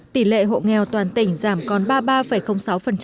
tỷ lệ hộ nghèo toàn tỉnh giảm còn ba mươi ba sáu